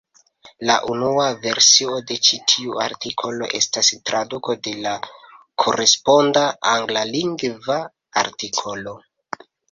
La unua versio de ĉi tiu artikolo estas traduko de la koresponda Anglalingva artikolo.